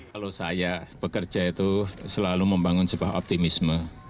kalau saya bekerja itu selalu membangun sebuah optimisme